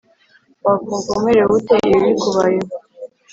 Wakumva umerewe ute ibi bikubayeho